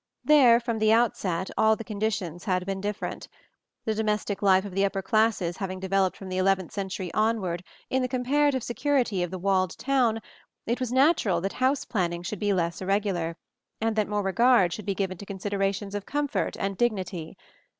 There, from the outset, all the conditions had been different. The domestic life of the upper classes having developed from the eleventh century onward in the comparative security of the walled town, it was natural that house planning should be less irregular, and that more regard should be given to considerations of comfort and dignity.